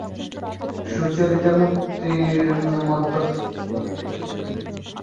সুচরিতা মূর্তির মতো নিস্তব্ধ হইয়া বসিয়া রহিল।